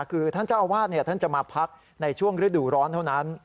คือท่านเจ้าอาวาสท่านจะมาพักในช่วงฤดูร้อนเท่านั้น